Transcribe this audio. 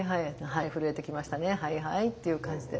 はいはいっていう感じで。